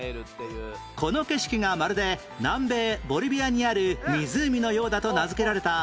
この景色がまるで南米ボリビアにある湖のようだと名づけられた